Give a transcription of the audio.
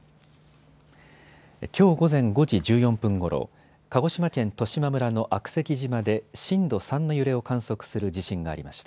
きょう午前５時１４分ごろ、鹿児島県十島村の悪石島で震度３の揺れを観測する地震がありました。